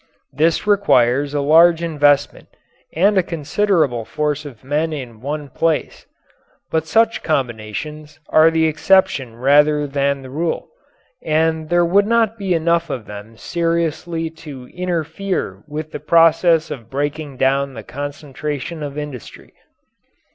This requires a large investment and a considerable force of men in one place. But such combinations are the exception rather than the rule, and there would not be enough of them seriously to interfere with the process of breaking down the concentration of industry.